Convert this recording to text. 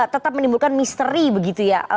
tetap menimbulkan misteri begitu ya